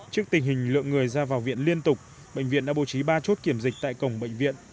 trước tình hình lượng người ra vào viện liên tục bệnh viện đã bố trí ba chốt kiểm dịch tại cổng bệnh viện